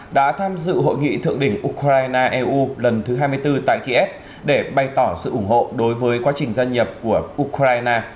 đã tham dự hội nghị thượng đỉnh ukraine eu lần thứ hai mươi bốn tại kiev để bày tỏ sự ủng hộ đối với quá trình gia nhập của ukraine